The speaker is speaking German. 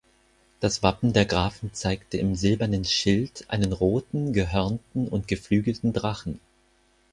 Das Wappen der Grafen zeigte im silbernen Schild einen roten, gehörnten und geflügelten Drachen.